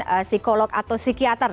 psikolog atau psikiater